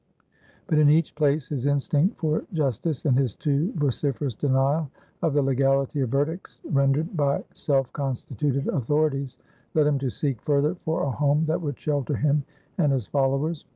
But in each place his instinct for justice and his too vociferous denial of the legality of verdicts rendered by self constituted authorities led him to seek further for a home that would shelter him and his followers.